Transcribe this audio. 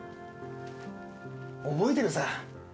覚えてるさ。